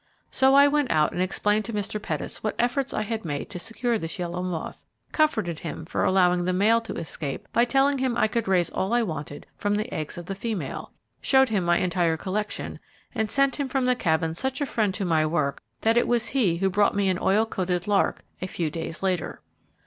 So I went out and explained to Mr. Pettis what efforts I had made to secure this yellow moth, comforted him for allowing the male to escape by telling him I could raise all I wanted from the eggs of the female, showed him my entire collection, and sent him from the Cabin such a friend to my work, that it was he who brought me an oil coated lark a few days later.